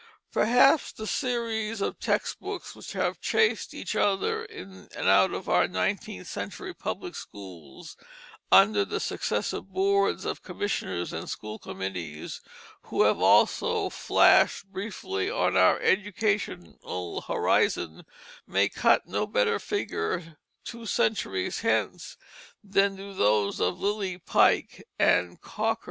Perhaps the series of text books which have chased each other in and out of our nineteenth century public schools under the successive boards of commissioners and school committees who have also flashed briefly on our educational horizon, may cut no better figure two centuries hence than do those of Lilly and Pike and Cocker.